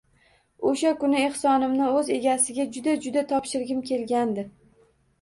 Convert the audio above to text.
Oʻsha kuni ehsonimni oʻz egasiga juda-juda topshirgim kelgandi